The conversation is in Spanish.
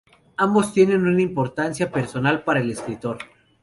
Ambos tienen una importancia personal para el escritor.